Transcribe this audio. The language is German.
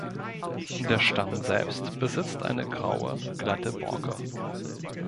Der Stamm selbst besitzt eine graue, glatte Borke.